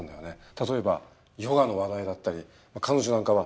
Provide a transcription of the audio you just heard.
例えばヨガの話題だったり彼女なんかは茶道の話題。